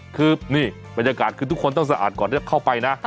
คือนี่บรรยากาศคือทุกคนต้องสะอาดก่อนที่จะเข้าไปนะ